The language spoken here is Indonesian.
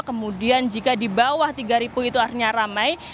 kemudian jika dibawah tiga itu artinya ramai